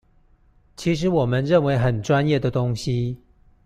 其實我們認為很專業的東西